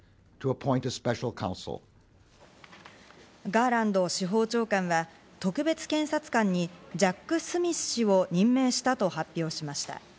ガーランド司法長官は特別検察官にジャック・スミス氏を任命したと発表しました。